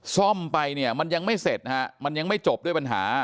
ซ่อมไปมันยังไม่เสร็จมันยังไม่จบด้วยปัญหา